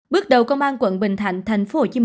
bước đầu công an quận bình thạnh tp hcm